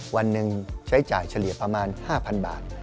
วันหนึ่งใช้จ่ายเฉลี่ยประมาณ๕๐๐บาท